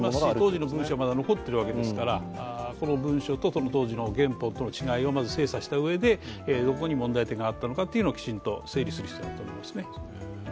当時の文書はまだ残っているわけですし、この文書と原本をまず精査したうえで、どこに問題点があったのかきちんと整理する必要があると思いますね。